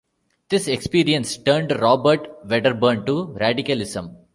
This experience turned Robert Wedderburn to radicalism.